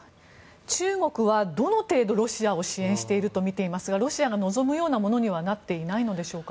中国はどの程度ロシアを支援しているとみていますかロシアが望むようなものにはなっていないのでしょうか？